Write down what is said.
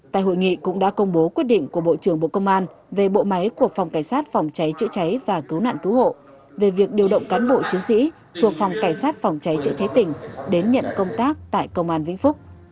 tại hội nghị cũng đã công bố quyết định của bộ trưởng bộ công an về bộ máy của phòng cảnh sát phòng cháy chữa cháy và cứu nạn cứu hộ về việc điều động cán bộ chiến sĩ thuộc phòng cảnh sát phòng cháy chữa cháy tỉnh đến nhận công tác tại công an vĩnh phúc